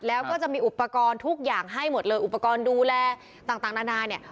แล้วก็จะมีอุปกรณ์ทุกอย่างให้หมดเลยอุปกรณ์ดูแลต่างนานาเนี่ย